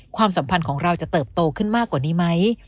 ความสัมพันธ์ของเราจะเติบโตขึ้นมากกว่านี้ไหม